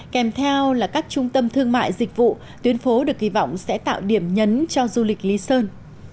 kèm theo là các trung tâm thương mại dịch vụ tuyến phố được kỳ vọng sẽ tạo điểm nhấn cho du lịch lý sơn